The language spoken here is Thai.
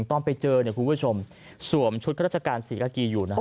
ต้องไปเจอคุณผู้ชมสวมชุดราชการศรีกะกีอยู่นะครับ